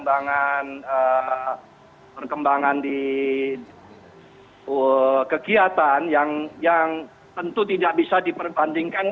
perkembangan perkembangan di kegiatan yang tentu tidak bisa diperbandingkan